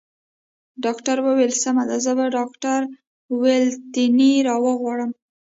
ډاکټر وویل: سمه ده، زه به ډاکټر والنتیني را وغواړم.